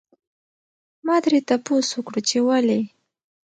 ما ترې تپوس وکړو چې ولې؟